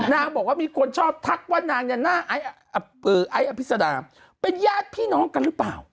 นางบอกว่ามีคนชอบทักว่านางเนี่ยหน้าไอ้อภิษดาเป็นญาติพี่น้องกันหรือเปล่า